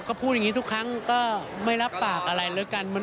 ก็พูดอย่างนี้ทุกครั้งก็ไม่รับปากอะไรแล้วกัน